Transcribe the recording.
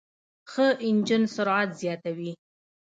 ښه انجن سرعت زیاتوي.